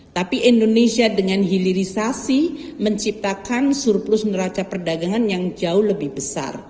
tapi indonesia dengan hilirisasi menciptakan surplus neraca perdagangan yang jauh lebih besar